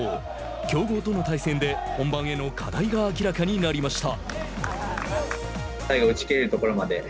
強豪との対戦で本番への課題が明らかになりました。